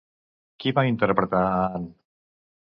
Qui va interpretar a Ann?